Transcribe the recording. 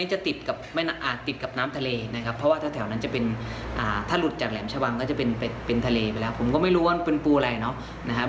จะอยู่ประมาณแหลมชะวังนะครับ